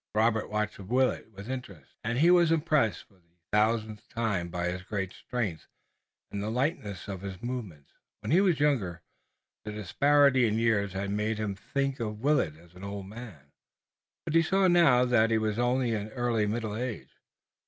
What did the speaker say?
Robert watched Willet with interest, and he was impressed for the thousandth time by his great strength, and the lightness of his movements. When he was younger, the disparity in years had made him think of Willet as an old man, but he saw now that he was only in early middle age.